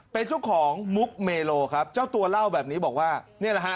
เป็นเจ้าของมุกเมโลครับเจ้าตัวเล่าแบบนี้บอกว่านี่แหละฮะ